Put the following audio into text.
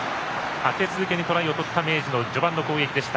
立て続けにトライを取った明治の序盤の攻撃でした。